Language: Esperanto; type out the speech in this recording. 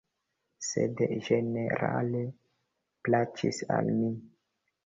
Sed ĝenerale plaĉis al mi.